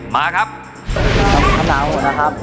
มาครับคำถามของผมนะครับ